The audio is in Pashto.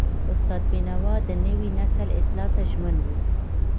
استاد بینوا د نوي نسل اصلاح ته ژمن و.